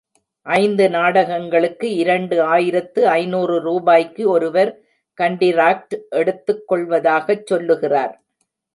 ஐந்து நாடகங்களுக்கு இரண்டு ஆயிரத்து ஐநூறு ரூபாய்க்கு ஒருவர் கண்டிராக்ட் எடுத்துக் கொள்வதாகச் சொல்லுகிறார்.